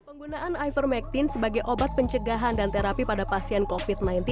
penggunaan ivermectin sebagai obat pencegahan dan terapi pada pasien covid sembilan belas